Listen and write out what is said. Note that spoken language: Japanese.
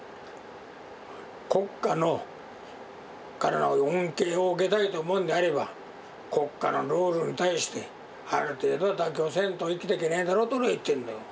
国家のからの恩恵を受けたいと思うのであれば国家のルールに対してある程度は妥協せんと生きていけねぇだろと俺は言ってるんだよ。